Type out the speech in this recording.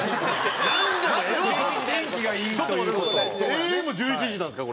ＡＭ１１時なんですか？